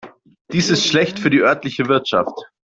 Dies ist schlecht für die örtliche Wirtschaft.